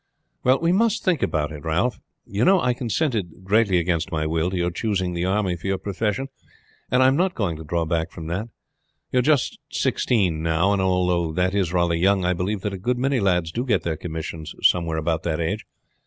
"Well, we must think about it, Ralph, You know I consented greatly against my will to your choosing the army for your profession, and I am not going to draw back from that. You are just sixteen now, and although that is rather young I believe that a good many lads do get their commissions somewhere about that age.